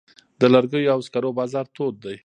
د لرګیو او سکرو بازار تود دی؟